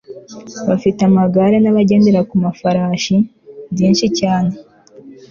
bafite amagare nabagendera ku mafarashi byinshi cyane